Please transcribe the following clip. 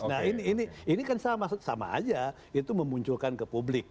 nah ini kan sama aja itu memunculkan ke publik